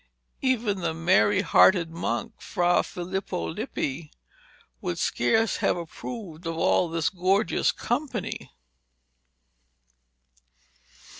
Even the merry hearted monk Fra Filippo Lippi would scarce have approved of all this gorgeous company.